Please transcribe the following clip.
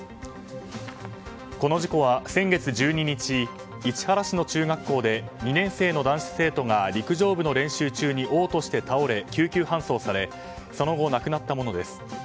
この事故は先月１２日市原市の中学校で２年生の男子生徒が陸上部の練習中に嘔吐して倒れ救急搬送されその後、亡くなったものです。